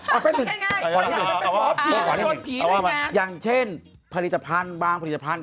เอาเป็นหมอผีโดนผีเล่นงานอย่างเช่นผลิตภัณฑ์บางผลิตภัณฑ์